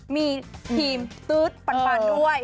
มีทีมตื๊ดปันด้วย